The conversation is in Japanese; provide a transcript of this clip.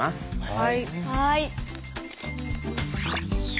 はい。